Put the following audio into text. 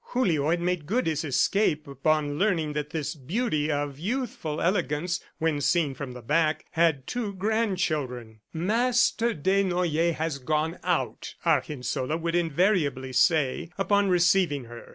Julio had made good his escape upon learning that this beauty of youthful elegance when seen from the back had two grandchildren. "MASTER Desnoyers has gone out," Argensola would invariably say upon receiving her.